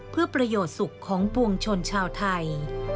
เพื่อประโยชน์สุขของปวงชนชาวไทย